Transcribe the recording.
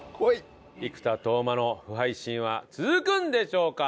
生田斗真の不敗神話続くんでしょうか？